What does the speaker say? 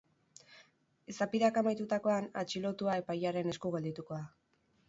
Izapideak amaitutakoan, atxilotua epailearen esku geldituko da.